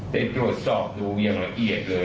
ไปตรวจสอบดูอย่างละเอียดเลย